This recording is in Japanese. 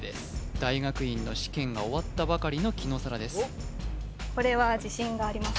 大学院の試験が終わったばかりの紀野紗良です